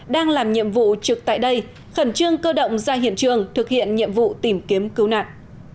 đang làm nhiệm vụ trực tại đây khẩn trương cơ động ra hiện trường thực hiện nhiệm vụ tìm kiếm cứu nạn